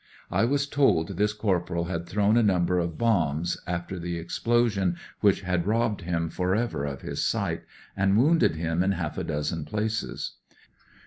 I was told this corporal had thrown a number of bombs, after the explosion which had robbed him for ever of his sight, and woimded him in half a dozen places.